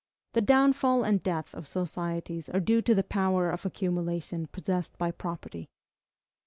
The downfall and death of societies are due to the power of accumulation possessed by property.